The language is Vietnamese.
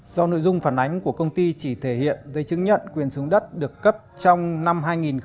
do nội dung phản ánh của công ty chỉ thể hiện giấy chứng nhận quyền sử dụng đất được cấp trong năm hai nghìn bốn